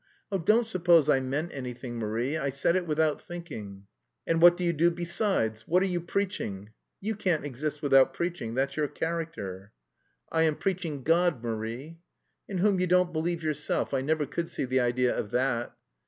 "Oh, don't suppose I meant anything, Marie. I said it without thinking." "And what do you do besides? What are you preaching? You can't exist without preaching, that's your character!" "I am preaching God, Marie." "In whom you don't believe yourself. I never could see the idea of that."